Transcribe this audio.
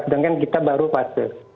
sedangkan kita baru pasif